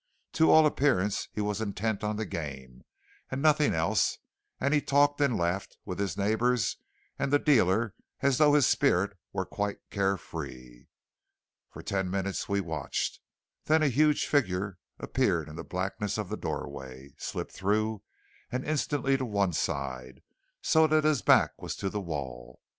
To all appearance he was intent on the game, and nothing else; and he talked and laughed with his neighbours and the dealer as though his spirit were quite carefree. For ten minutes we watched. Then a huge figure appeared in the blackness of the doorway, slipped through, and instantly to one side, so that his back was to the wall.